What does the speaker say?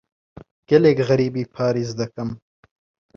گەلێک غەریبی پاریس دەکەم.